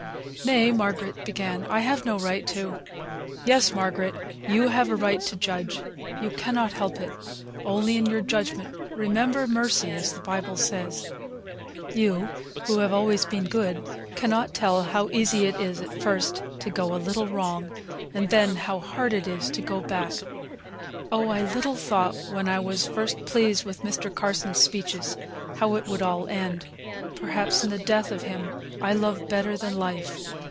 "Nay," Margaret began, "I have no right to " "Yes, Margaret, you have a right to judge; you cannot help it; only in your judgment remember mercy, as the Bible says. You, who have been always good, cannot tell how easy it is at first to go a little wrong, and then how hard it is to go back. Oh! I little thought when I was first pleased with Mr. Carson's speeches, how it would all end; perhaps in the death of him I love better than life."